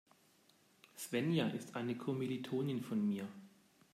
Svenja ist eine Kommilitonin von mir.